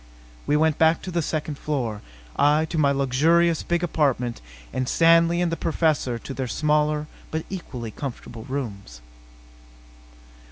We went back to the second floor. I to my luxurious big apartment and Stanley and the Professor to their smaller but equally comfortable rooms.